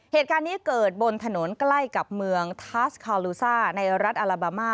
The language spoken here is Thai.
เหตุการณ์นี้เกิดบนถนนใกล้กับเมืองทัสคาลูซ่าในรัฐอาลาบามา